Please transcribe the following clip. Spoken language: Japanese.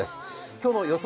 今日の予想